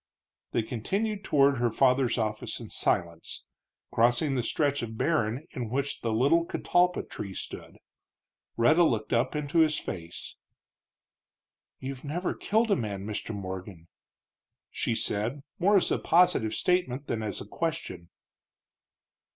They continued toward her father's office in silence, crossing the stretch of barren in which the little catalpa tree stood. Rhetta looked up into his face. "You've never killed a man, Mr. Morgan," she said, more as a positive statement than as a question.